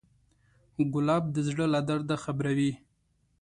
ګلاب د زړه له درده خبروي.